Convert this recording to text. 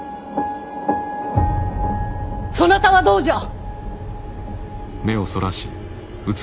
そなたはどうじゃ！